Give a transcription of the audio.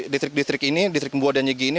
distrik distrik ini distrik mbua dan ygi ini